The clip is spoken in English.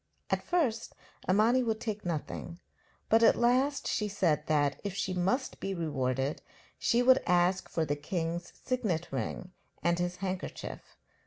At first Imani would take nothing, but at last she said that, if she must be rewarded, she would ask for the king's signet ring and his handkerchief.